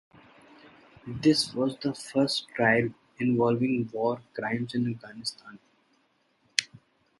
His was the first trial involving war crimes in Afghanistan.